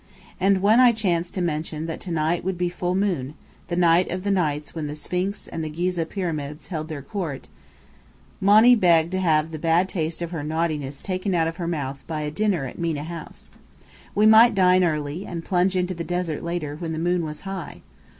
And when I chanced to mention that to night would be full moon the night of nights when the Sphinx and the Ghizeh Pyramids held their court Monny begged to have the bad taste of her naughtiness taken out of her mouth by a dinner at Mena House. We might dine early, and plunge into the desert later, when the moon was high.